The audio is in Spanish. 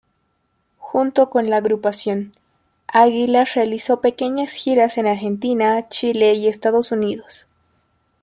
Junto con la agrupación, Águila realizó pequeñas giras en Argentina, Chile y Estados Unidos.